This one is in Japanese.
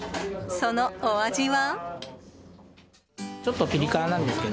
そのお味は？